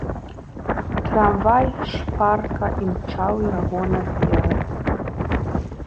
Трамвай шпарка імчаў яго наперад.